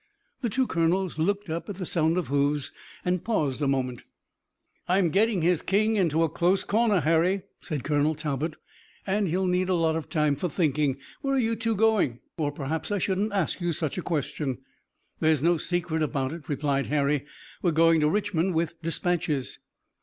The two colonels looked up at the sound of hoofs and paused a moment. "I'm getting his king into a close corner, Harry," said Colonel Talbot, "and he'll need a lot of time for thinking. Where are you two going, or perhaps I shouldn't ask you such a question?" "There's no secret about it," replied Harry. "We're going to Richmond with dispatches."